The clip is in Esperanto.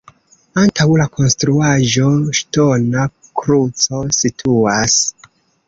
Antaŭ la konstruaĵo ŝtona kruco situas.